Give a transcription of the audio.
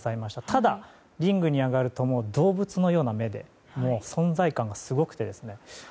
ただ、リングに上がるともう動物のような目で存在感がすごくてですね。